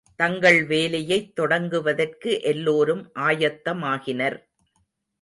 தங்கள் வேலையைத் தொடங்குவதற்கு எல்லோரும் ஆயத்தமாகினர்.